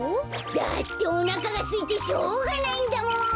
だっておなかがすいてしょうがないんだもん。